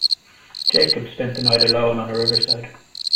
Jacob spent the night alone on a riverside.